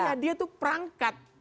iya dia itu perangkat